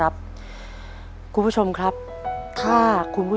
รับทุนไว้หาที่ด้านไว้